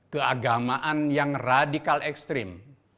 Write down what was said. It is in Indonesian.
keagamaan yang radikal ekstrim